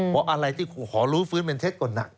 เพราะอะไรที่ขอลื้อฟื้นเป็นเท็จก่อนหนัก